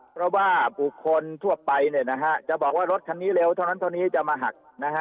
เพราะว่าบุคคลทั่วไปจะบอกว่ารถคันนี้เร็วเท่านั้นเท่านี้จะมาหักนะฮะ